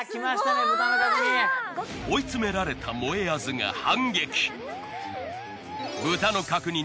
追い詰められたもえあずが反撃。